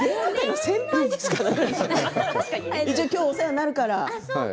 今日お世話になるから？